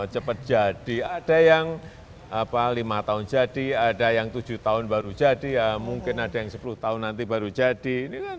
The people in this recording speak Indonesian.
cepat jadi ada yang lima tahun jadi ada yang tujuh tahun baru jadi ya mungkin ada yang sepuluh tahun nanti baru jadi